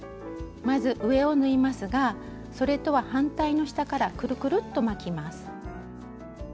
まず上を縫いますがそれとは反対の下からくるくるっと巻きます。